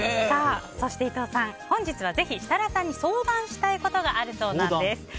そして伊藤さん、本日はぜひ設楽さんに相談したいことがあるそうなんです。